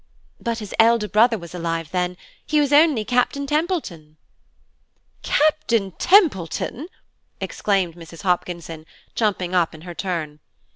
"But his elder brother was alive then–he was only Captain Templeton." "Captain Templeton!" exclaimed Mrs. Hopkinson, jumping up in her turn.